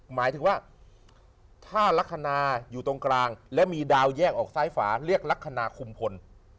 หมายถึงว่าถ้าลักษณะอยู่ตรงกลางและมีดาวแยกออกซ้ายฝาเรียกลักษณะคุมพล